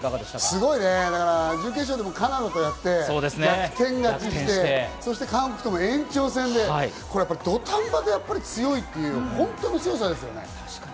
すごいね、準決勝でもカナダとやって逆転勝ちして、韓国とも延長戦でこれ、土壇場で強いという本当の強さですね。